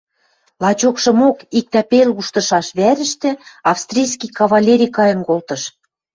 Лачокшымок, иктӓ пел уштышаш вӓрӹштӹ австрийский кавалери кайын колтыш.